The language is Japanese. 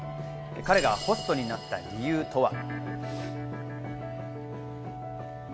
彼がホストになった理由とは？